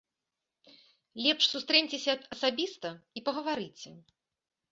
Лепш сустрэньцеся асабіста і пагаварыце.